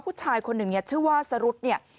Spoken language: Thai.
ผู้ชายคนหนึ่งเนี่ยชื่อว่าสรุธเนี่ย